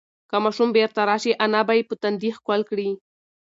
که ماشوم بیرته راشي، انا به یې په تندي ښکل کړي.